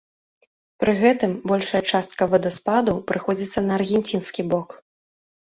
Пры гэтым большая частка вадаспадаў прыходзіцца на аргенцінскі бок.